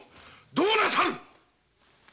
どうなさる！